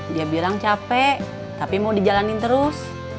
dia bilang capek tapi mau dijalanin terus